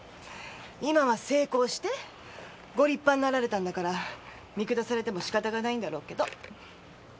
今は成功してご立派になられたんだから見下されても仕方がないんだろうけど。